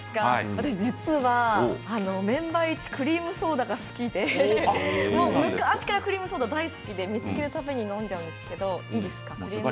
私、実はメンバー１クリームソーダが好きで昔からクリームソーダが大好きで見つけるたびに飲んじゃうんですけど、いいですか？